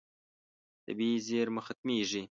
طبیعي زیرمه ختمېږي.